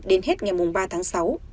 đến hết ngày ba tháng sáu